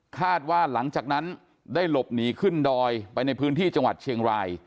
คาดว่าหลังจากนั้นได้หลบหนีขึ้นดอยไปในพื้นที่จังหวัดเชียงราย